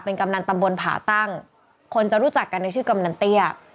กำนันตำบลผาตั้งคนจะรู้จักกันในชื่อกำนันเตี้ย